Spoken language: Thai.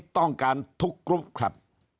ต้องการทุกกรุ๊ปครับ